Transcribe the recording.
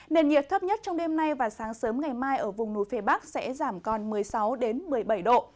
nền nhiệt thấp nhất trong đêm nay và sáng sớm ngày mai ở vùng núi phía bắc sẽ giảm còn một mươi sáu một mươi bảy độ